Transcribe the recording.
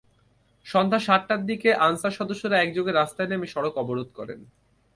সন্ধ্যা সাতটার দিকে আনসার সদস্যরা একযোগে রাস্তায় নেমে সড়ক অবরোধ করেন।